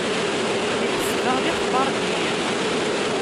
Iḥseb-aɣ d ixbaṛǧiyen.